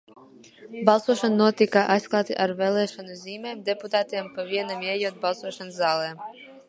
Balsošana notika aizklāti ar vēlēšanu zīmēm, deputātiem pa vienam ieejot balsošanas zālē.